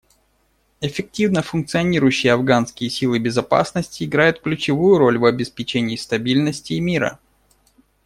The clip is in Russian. Эффективно функционирующие афганские силы безопасности играют ключевую роль в обеспечении стабильности и мира.